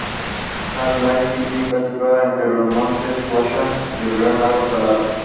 Salt Lake City está situada entre los montes Wasatch y el Gran Lago Salado.